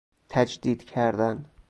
تجدید کردن